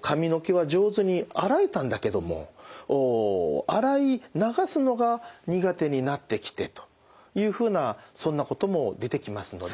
髪の毛は上手に洗えたんだけども洗い流すのが苦手になってきてというふうなそんなことも出てきますので。